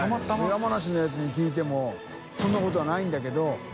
山梨のヤツに聞いてもそんなことはないんだけど。